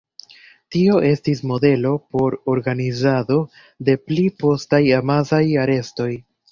Tio estis modelo por organizado de pli postaj amasaj arestoj.